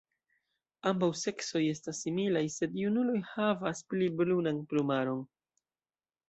Ambaŭ seksoj estas similaj, sed junuloj havas pli brunan plumaron.